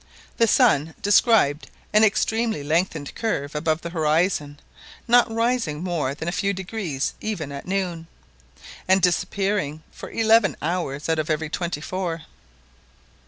The sun described an extremely lengthened curve above the horizon, not rising more than a few degrees even at noon, and disappearing for eleven hours out of every twenty four.